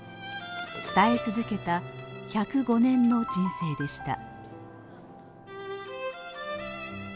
伝え続けた１０５年の人生でした。